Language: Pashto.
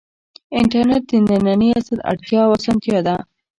انټرنیټ د ننني عصر اړتیا او اسانتیا ده.